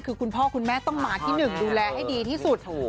คือคุณพ่อคุณแม่ต้องมาที่หนึ่งดูแลให้ดีที่สุดไม่ถูก